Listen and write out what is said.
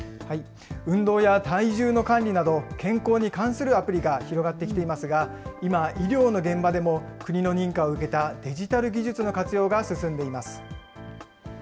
運動や体重の管理など、健康に関するアプリが広がってきていますが、今、医療の現場でも国の認可を受けたデジタル技術の活用が進んでいます。